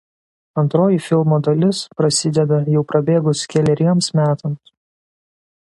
Antroji filmo dalis prasideda jau prabėgus keleriems metams.